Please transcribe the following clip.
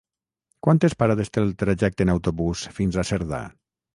Quantes parades té el trajecte en autobús fins a Cerdà?